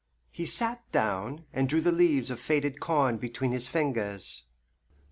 He sat down, and drew the leaves of faded corn between his fingers.